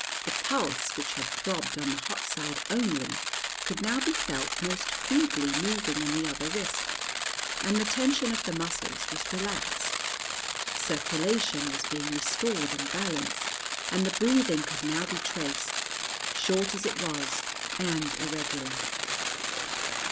The pulse, which had throbbed on the hot side only, could now be felt most feebly moving in the other wrist, and the tension of the muscles was relaxed: circulation was being restored and balanced, and the breathing could now be traced, short as it was and irregular.